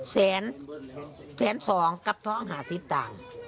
แสนแสนสองกับท้องห้าสิบตังค์